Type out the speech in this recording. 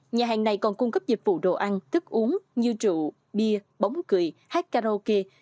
nhà hàng này còn cung cấp dịch vụ đồ ăn thức uống như trụ bia bóng cười hát karaoke